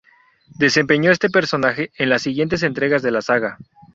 Desempeño este personaje en las siguientes entregas de la saga.